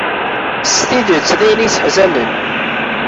S tidet d ayen isseḥzanen.